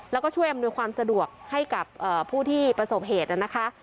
แล้วก็ช่วยอำนวยความสะดวกให้กับผู้ที่ประสบเหตุนะคะ